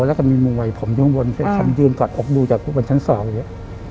แล้วก็มีมงวัยผมย่วงบนเค้ายืนกอดออกดูจากบนชั้นสองอย่างเงี้ย